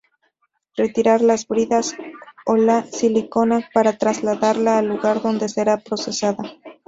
Retirar las bridas o la silicona para trasladarla al lugar donde será procesada.